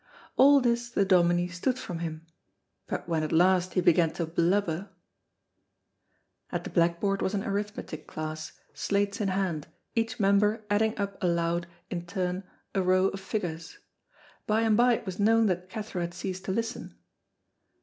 All this the Dominie stood from him, but when at last he began to blubber At the blackboard was an arithmetic class, slates in hand, each member adding up aloud in turn a row of figures. By and by it was known that Cathro had ceased to listen.